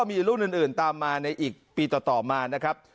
มีรุ่นอื่นตามมาในอีกปีต่อมานะครับ